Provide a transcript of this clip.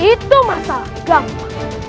itu masalah kamu